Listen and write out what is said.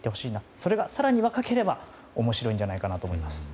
それが、更に若ければ面白いんじゃないかと思います。